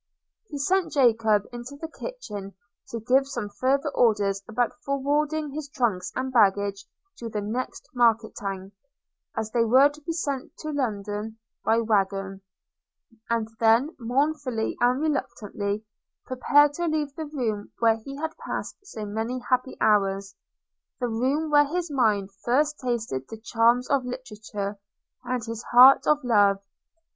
He sent Jacob into the kitchen to give some farther orders about forwarding his trunks and baggage to the next market town, as they were to be sent to London by waggon; and then, mournfully and reluctantly, prepared to leave the room where he had passed so many happy hours – the room where his mind first tasted the charms of literature, and his heart of love.